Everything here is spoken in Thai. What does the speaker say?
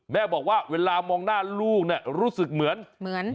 แม่บอกว่าเวลามองหน้าลูกเนี่ยรู้สึกเหมือนเหมือน